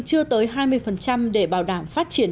chưa tới hai mươi để bảo đảm phát triển